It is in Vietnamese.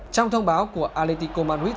trong thông báo của atletico madrid